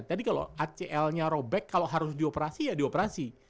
tadi kalau acl nya robek kalau harus dioperasi ya dioperasi